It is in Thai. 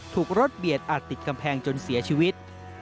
ถูกรถเบียดอาจติดกำแพงจนเสียชีวิต